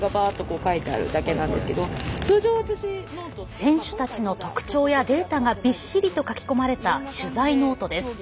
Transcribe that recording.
選手たちの特徴やデータがびっしりと書き込まれた取材ノートです。